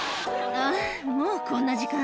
「あぁもうこんな時間？」